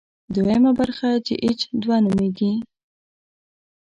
دویمه برخه چې اېچ دوه نومېږي.